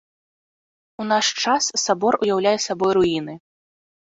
У наш час сабор уяўляе сабой руіны.